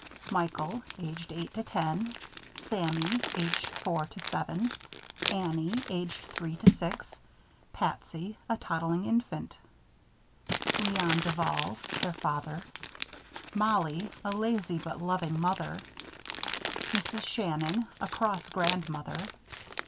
MICHAEL: Aged 8 to 10 SAMMY: Aged 4 to 7 ANNIE: Aged 3 to 6 PATSY: A Toddling Infant LÉON DUVAL: Their Father. MOLLIE: A Lazy but Loving Mother. MRS. SHANNON: A Cross Grandmother.